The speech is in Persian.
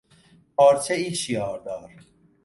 پارچهای شیاردار